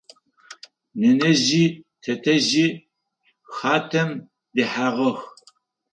Нэнэжъи тэтэжъи хатэм дэхьагъэх.